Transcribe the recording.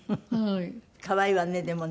可愛いわねでもね。